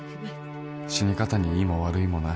死に方にいいも悪いもない